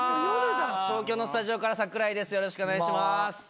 東京のスタジオから櫻井です